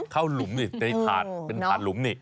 ข้าวหลุมเป็นผาดหลุมนี่